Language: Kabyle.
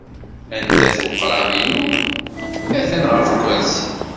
Anda-t weqrab-inu? Atan ɣef ukersi.